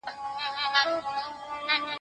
په موسكا او په تعظيم ورته ټگان سول